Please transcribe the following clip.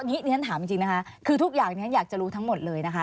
นี่เรียนถามจริงนะคะคือทุกอย่างอยากจะรู้ทั้งหมดเลยนะคะ